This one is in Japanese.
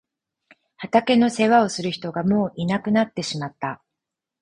畑の世話をする人がもういなくなってしまった。